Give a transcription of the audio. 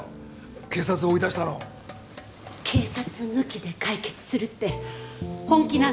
警察を追い出したの警察抜きで解決するって本気なの！？